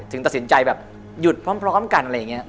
ตัดสินใจแบบหยุดพร้อมกันอะไรอย่างนี้